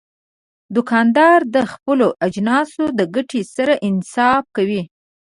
دوکاندار د خپلو اجناسو د ګټې سره انصاف کوي.